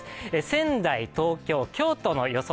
仙台、東京、京都の予想